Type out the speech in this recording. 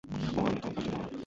ওহ আম্মু, তোমাকে আসতে হবে না।